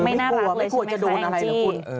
ไม่กลัวจะโดนอะไรนะคุณ